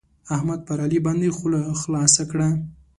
احمد پر علي باندې خوله خلاصه کړه.